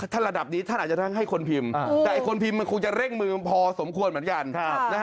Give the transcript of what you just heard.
ถ้าระดับนี้ท่านอาจจะทั้งให้คนพิมพ์แต่คนพิมพ์มันคงจะเร่งมือพอสมควรเหมือนกัน